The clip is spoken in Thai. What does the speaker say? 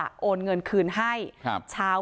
ก็เลยขับรถไปมอบตัว